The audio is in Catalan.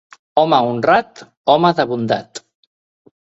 Home honrat, home de bondat.